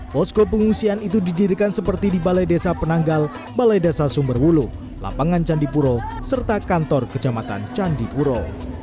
posko pengungsian itu didirikan seperti di balai desa penanggal balai desa sumberwulu lapangan candipuro serta kantor kecamatan candipuro